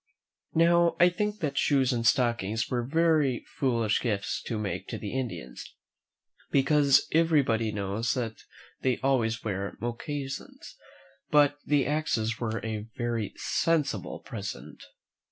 Now, I think that shoes and stockings were very foolish gifts to make to the Indians, because everybody knows that they always wear mocassins; but the axes were a very sensible present.